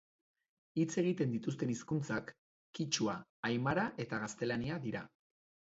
Hitz egiten dituzten hizkuntzak, kitxua, aimara eta gaztelania dira.